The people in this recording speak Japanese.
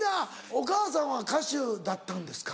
お母さんは歌手だったんですか？